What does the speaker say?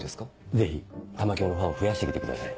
ぜひ玉響のファンを増やしてきてください。